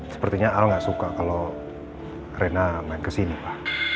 sepertinya al gak suka kalo rena main kesini ma